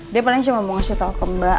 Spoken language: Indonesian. dia paling cuma mau ngasih tau ke mbak